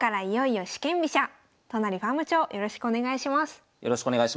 よろしくお願いします。